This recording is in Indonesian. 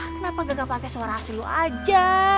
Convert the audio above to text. kenapa gak pakai suara asli lo aja